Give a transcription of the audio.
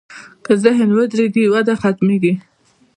که ذهن ودرېږي، وده ختمېږي.